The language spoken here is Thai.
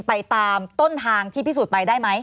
ไปตามต้นทางที่พิสูจน์ไปได้ไหม